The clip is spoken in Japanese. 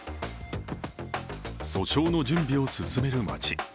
訴訟の準備を進める町。